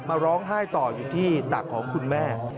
มาร้องไห้ต่ออยู่ที่ตักของคุณแม่